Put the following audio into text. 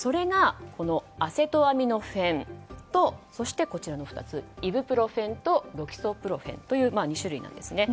アセトアミノフェンとそしてイブプロフェンとロキソプロフェンという２種類ですね。